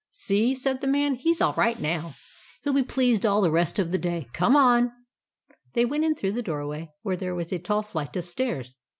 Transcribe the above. " See," said the man, " he 's all right now. He '11 be pleased all the rest of the day. Come on." They went in through the doorway, where there was a tall flight of stairs.